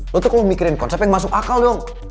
lo tuh kalau mikirin konsep yang masuk akal dong